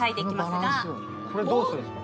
これどうするんすか？